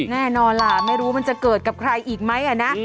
แน่นอนล่ะไม่รู้มันจะเกิดกับใครอีกไหมนะ